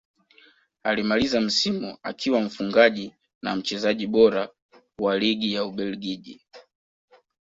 Alimaliza msimu akiwa mfungaji na mchezaji bora wa ligi ya ubelgiji